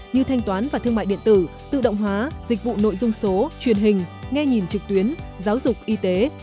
như thanh toán và thương mại điện tử tự động hóa dịch vụ nội dung số truyền hình nghe nhìn trực tuyến giáo dục y tế